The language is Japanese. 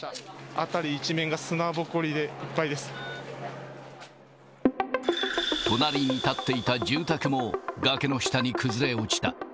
辺り一面が砂ぼこりでいっぱいで隣に建っていた住宅も、崖の下に崩れ落ちた。